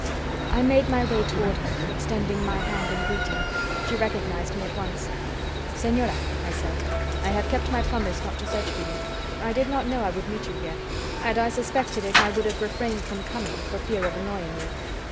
I made my way toward her, extending my hand in greeting. She recognized me at once. "Señora," I said, "I have kept my promise not to search for you. I did not know I would meet you here. Had I suspected it I would have refrained from coming, for fear of annoying you.